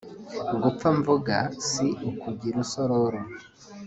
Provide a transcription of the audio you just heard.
Gupfa mvuga si ukujya i Rusororo